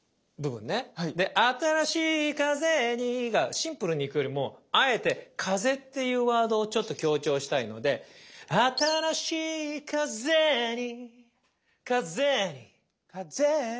で「新しい風に」がシンプルにいくよりもあえて「風」っていうワードをちょっと強調したいので「新しい風に」カゼーニ。